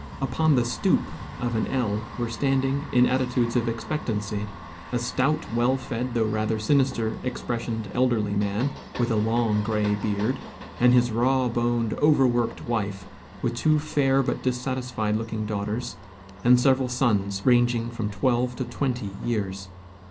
Upon the "stoop" of an L were standing, in attitudes of expectancy, a stout, well fed, though rather sinister expressioned elderly man, with a long gray beard, and his raw boned, overworked wife, with two fair but dissatisfied looking daughters, and several sons, ranging from twelve to twenty years.